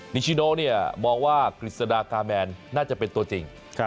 นิชิโนมองว่ากฤษฎากาแมนน่าจะเป็นตัวจริง